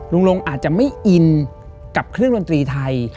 ลงอาจจะไม่อินกับเครื่องดนตรีไทย